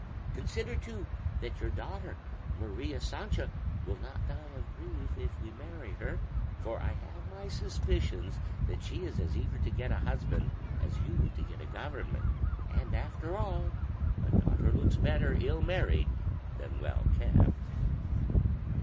Consider, too, that your daughter Maria Sancha will not die of grief if we marry her; for I have my suspicions that she is as eager to get a husband as you to get a government; and after all, a daughter looks better ill married than well kept."